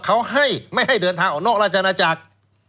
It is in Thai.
เขาให้ไม่ให้เดินทางออกนอกราชนาจักร